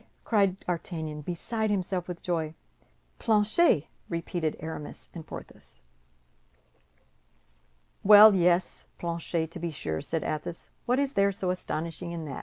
cried D'Artagnan, beside himself with joy. "Planchet!" repeated Aramis and Porthos. "Well, yes, Planchet, to be sure," said Athos, "what is there so astonishing in that?